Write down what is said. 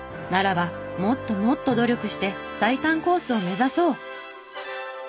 ならばもっともっと努力して最短コースを目指そう！